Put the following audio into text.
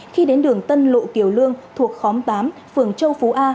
khi đến đường tân lộ kiểu lương thuộc khóm tám phường châu phú a